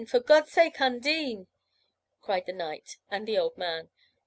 for God's sake, Undine!" cried the Knight, and the old man.